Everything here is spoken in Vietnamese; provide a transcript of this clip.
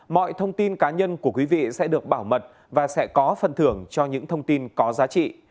mọi thông tin cá nhân của quý vị sẽ được bảo mật và sẽ có phần thưởng cho những thông tin có giá trị